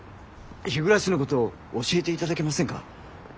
日暮のこと教えて頂けませんか？